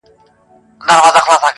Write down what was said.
ځان دي هسي کړ ستومان په منډه منډه-